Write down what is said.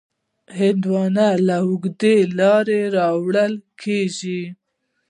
هندوانه له اوږده لاره راوړل کېږي.